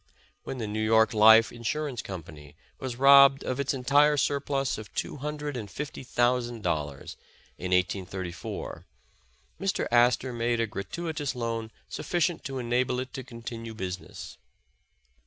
''When the New York Life Insurance Company was robbed of its entire surplus of two hundred and fifty thousand dollars, in 1834, Mr. Astor made a gratuitous loan sufficient to enable it to continue business."